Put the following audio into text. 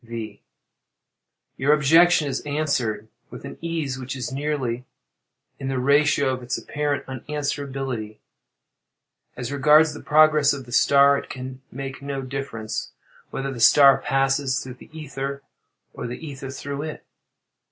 V. Your objection is answered with an ease which is nearly in the ratio of its apparent unanswerability.—As regards the progress of the star, it can make no difference whether the star passes through the ether or the ether through it.